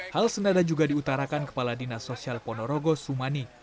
hal senada juga diutarakan kepala dinas sosial ponorogo sumani